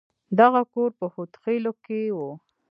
دغه کور په هود خيلو کښې و.